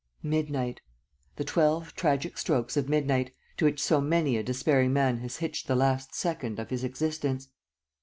... Midnight ... the twelve tragic strokes of midnight, to which so many a despairing man has hitched the last second of his existence!